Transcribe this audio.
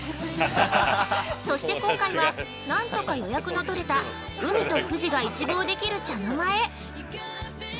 そして今回は、なんとか予約の取れた海と富士が一望できる茶の間へ！